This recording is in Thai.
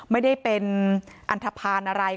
ไม่ได้เป็นอันทภาณอะไร